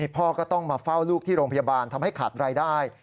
พ่อก็ต้องมาเฝ้าลูกที่โรงพยาบาลทำให้ขาดรายได้